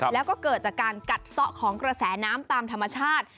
แล้วก็เกิดจากการกัดซ่อของกระแสน้ำตามธรรมชาติ